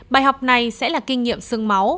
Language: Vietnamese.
bài học này sẽ là kinh nghiệm sương máu